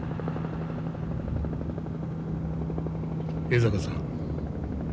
江坂さん